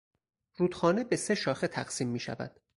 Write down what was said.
رودخانه به سه شاخه تقسیم میشود.